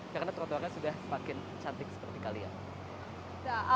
karena trotoarnya sudah semakin cantik seperti kalian